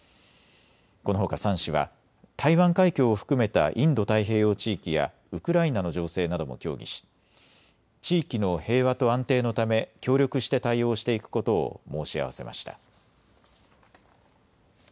このほか３氏は台湾海峡を含めたインド太平洋地域やウクライナの情勢なども協議し地域の平和と安定のため協力して対応していくことを申し合わせました。